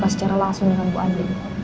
secara langsung dengan ibu andin